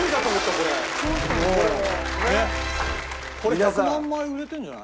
これ１００万枚売れてるんじゃない？